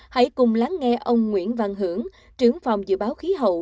hãy cùng lắng nghe ông nguyễn văn hưởng trưởng phòng dự báo khí hậu